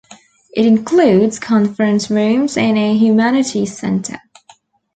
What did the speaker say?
It includes conference rooms and a humanities center.